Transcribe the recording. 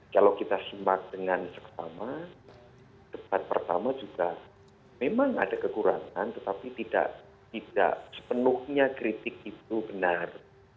kalau kita simak dengan seksama debat pertama juga memang ada kekurangan tetapi tidak sepenuhnya kritik itu benar